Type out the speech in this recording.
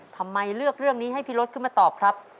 ทำไมเลือกเรื่องนี้ให้พี่รถขึ้นมาตอบครับ